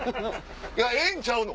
ええんちゃうの？